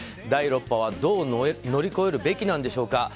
第６波はどう乗り越えるべきなんでしょうか。